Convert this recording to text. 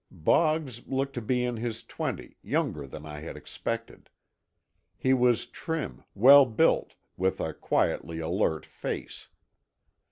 Boggs looked to be in his twenties, younger than I had expected. He was trim, well built, with a quietly alert face.